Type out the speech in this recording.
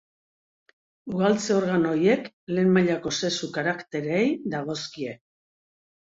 Ugaltze-organo horiek lehen mailako sexu-karaktereei dagozkie.